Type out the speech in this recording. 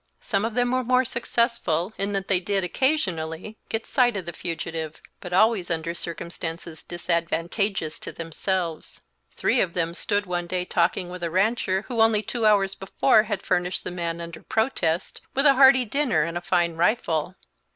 Some of them were more successful, in that they did, occasionally, get sight of the fugitive, but always under circumstances disadvantageous to themselves. Three of them stood one day talking with a rancher, who only two hours before had furnished the man, under protest, with a hearty dinner and a fine rifle.